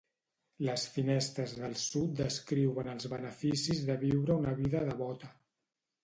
Les finestres del sud descriuen els beneficis de viure una vida devota.